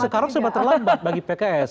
sekarang sudah terlambat bagi pks